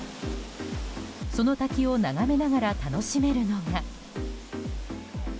その滝を眺めながら楽しめるのが。